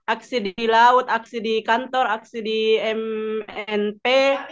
aksi di laut aksi di kantor aksi di mnp